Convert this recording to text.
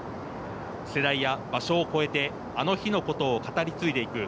世代や場所を超えてあの日のことを語り継いでいく。